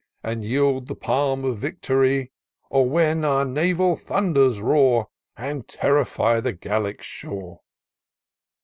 And yield the palm of victory ; Or when our naval thunders roar. And terrify the Gallic shore.